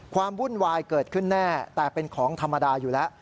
วุ่นวายเกิดขึ้นแน่แต่เป็นของธรรมดาอยู่แล้ว